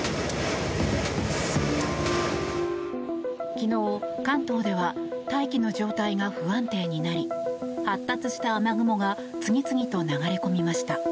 昨日、関東では大気の状態が不安定になり発達した雨雲が次々と流れ込みました。